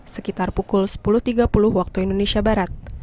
sekitar pukul sepuluh tiga puluh waktu indonesia barat